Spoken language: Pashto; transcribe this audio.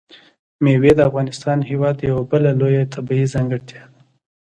مېوې د افغانستان هېواد یوه بله لویه طبیعي ځانګړتیا ده.